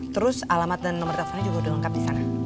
terus alamat dan nomor teleponnya juga udah lengkap di sana